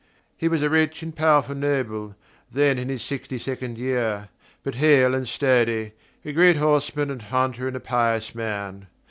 He was a rich and powerful noble, then in his sixty second year, but hale and sturdy, a great horseman and hunter and a pious man.